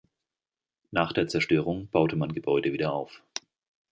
Nach der Zerstörung baute man Gebäude wieder auf.